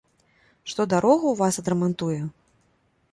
Што дарогу ў вас адрамантуе?